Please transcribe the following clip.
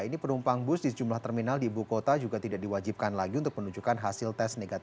ini penumpang bus di jumlah terminal di ibu kota juga tidak diwajibkan lagi untuk berlengkapan ke tempat berlengkapan